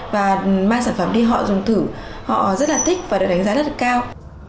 và mang sản phẩm đi họ dùng thử họ rất là thích và được đánh giá rất là cao